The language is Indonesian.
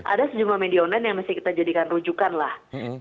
ada sejumlah media online yang mesti kita jadikan rujukan lah